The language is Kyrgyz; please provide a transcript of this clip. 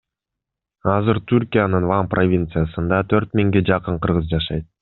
Азыр Түркиянын Ван провинциясында төрт миңге жакын кыргыз жашайт.